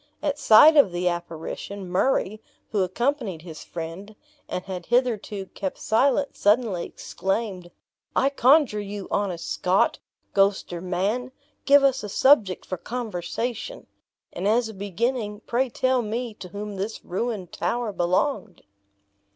At sight of the apparition, Murray, who accompanied his friend, and had hitherto kept silent, suddenly exclaimed, "I conjure you, honest Scot, ghost or man, give us a subject for conversation! and, as a beginning, pray tell me to whom this ruined tower belonged?"